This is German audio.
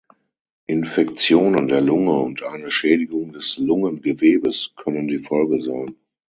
Infektionen der Lunge und eine Schädigung des Lungengewebes können die Folge sein.